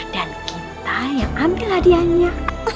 dan kita yang ambil hadiahnya